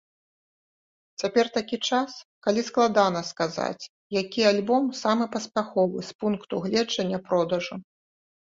Цяпер такі час, калі складана сказаць, які альбом самы паспяховы з пункту гледжання продажу.